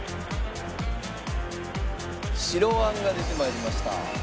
白あんが出て参りました。